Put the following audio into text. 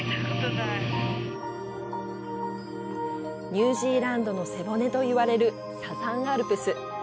ニュージーランドの背骨と言われるサザンアルプス。